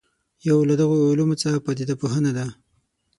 یو له دغو علومو څخه پدیده پوهنه ده.